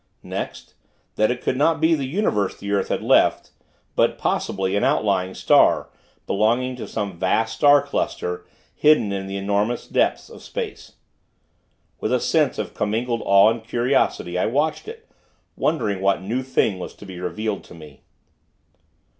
Next, that it could not be the universe the earth had left; but, possibly, an outlying star, belonging to some vast star cluster, hidden in the enormous depths of space. With a sense of commingled awe and curiosity, I watched it, wondering what new thing was to be revealed to me.